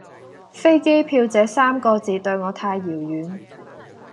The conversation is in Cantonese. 飛機票這三個字對我太遙遠